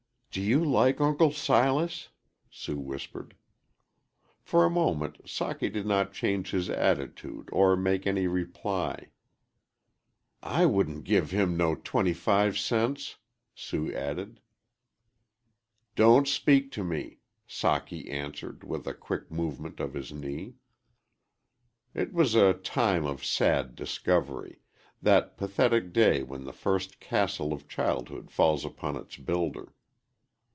"Do you like Uncle Silas?" Sue whispered. For a moment Socky did not change his attitude or make any reply. "I wouldn't give him no twenty five cents," Sue added. "Don't speak to me," Socky answered, with a quick movement of his knee. It was a time of sad discovery that pathetic day when the first castle of childhood falls upon its builder.